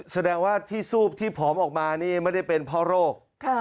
แสดงว่าที่ซูบที่ผอมออกมานี่ไม่ได้เป็นเพราะโรค